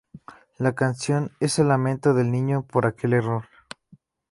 La canción es el lamento del niño por aquel error.